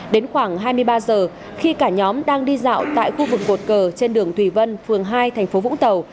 đến khoảng hai mươi ba giờ khi cả nhóm đang đi dạo tại khu vực cột cờ trên đường thủy vân phường hai thành phố vũng tàu